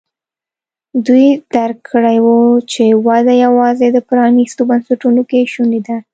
دوی درک کړې وه چې وده یوازې د پرانیستو بنسټونو کې شونې ده.